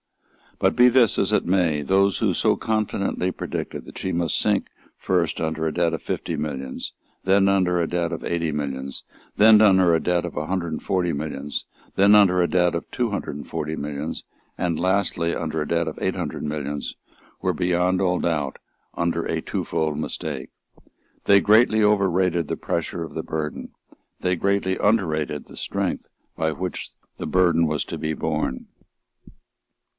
But be this as it may, those who so confidently predicted that she must sink, first under a debt of fifty millions, then under a debt of eighty millions then under a debt of a hundred and forty millions, then under a debt of two hundred and forty millions, and lastly under a debt of eight hundred millions, were beyond all doubt under a twofold mistake. They greatly overrated the pressure of the burden; they greatly underrated the strength by which the burden was to be borne.